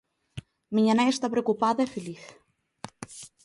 Miña nai está preocupada e feliz.